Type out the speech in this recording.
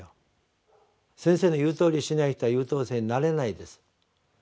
先生の言うとおりにしない人は優等生になれないです。